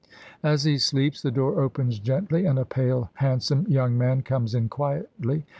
As he sleeps the door opens gently, and a pale hand some young man comes in quietly.